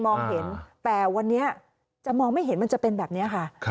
เห็นแต่วันนี้จะมองไม่เห็นมันจะเป็นแบบนี้ค่ะ